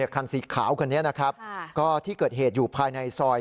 คันสีขาวคันนี้นะครับก็ที่เกิดเหตุอยู่ภายในซอย